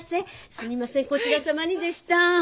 すみませんこちら様にでした。